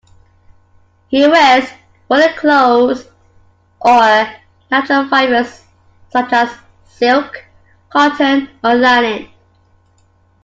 She wears woollen clothes or natural fibres such as silk, cotton or linen.